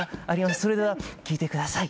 それでは聴いてください。